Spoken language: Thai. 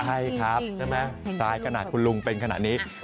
ใช่ครับใช่ไหมซ้ายขนาดคุณลุงเป็นขนาดนี้